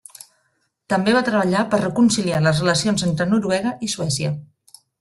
També va treballar per reconciliar les relacions entre Noruega i Suècia.